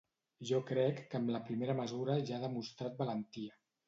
Jo crec que amb la primera mesura ja ha demostrat valentia.